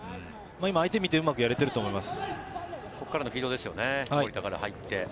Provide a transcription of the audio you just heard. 相手を見てうまくやれていると思います。